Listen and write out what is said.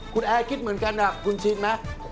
คุณแอร์คิดเหมือนกันคุณชินไหม